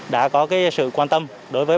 đã có sự quan tâm đối với